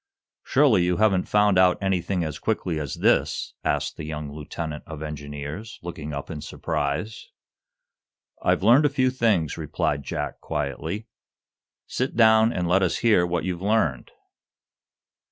"Surely, you haven't found out anything as quickly as this?" asked the young lieutenant of engineers, looking up in surprise. "I've learned a few things," replied Jack, quietly. "Sit down, and let us hear what you've learned."